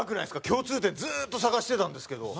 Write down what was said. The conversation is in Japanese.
共通点ずっと探してたんですけど。